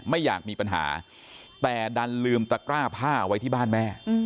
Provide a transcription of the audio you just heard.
ไม่อยากมีปัญหาแต่ดันลืมตะกร้าผ้าไว้ที่บ้านแม่